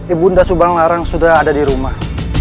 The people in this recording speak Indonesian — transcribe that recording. ibu bunda sudah ada di rumah